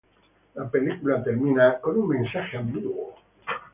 La película termina con un mensaje ambiguo.